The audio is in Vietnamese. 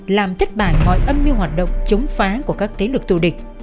làm thất bại mọi âm mưu hoạt động chống phá của các thế lực thù địch